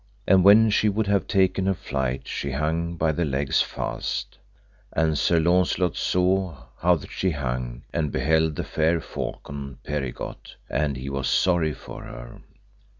And when she would have taken her flight she hung by the legs fast; and Sir Launcelot saw how she hung, and beheld the fair falcon perigot, and he was sorry for her.